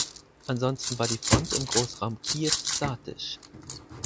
Ansonsten war die Front im Großraum Kiew statisch.